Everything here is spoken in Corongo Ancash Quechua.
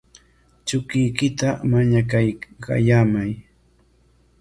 Chukuykita mañaykallamay.